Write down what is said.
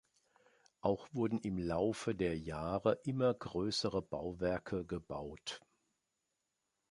Auch wurden im Laufe der Jahre immer größere Bauwerke gebaut.